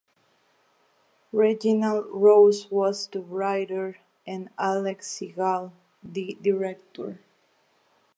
Reginald Rose was the writer and Alex Segal the director.